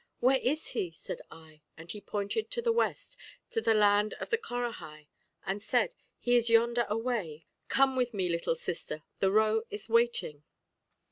'Where is he?' said I, and he pointed to the west, to the land of the Corahai, and said, 'He is yonder away; come with me, little sister, the ro is waiting.'